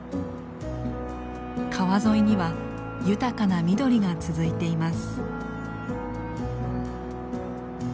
川沿いには豊かな緑が続いています。